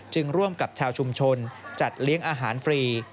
ร่วมกับชาวชุมชนจัดเลี้ยงอาหารฟรี